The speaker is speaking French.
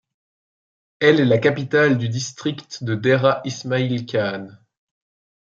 Elle est la capitale du district de Dera Ismail Khan.